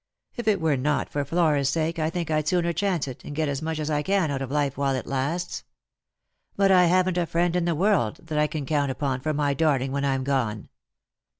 If it were not for Flora's sake I think I'd sooner chance it, and get as much as I can out of life while it lasts. But I haven't a friend in the world that I can count upon for my darling when I'm gone."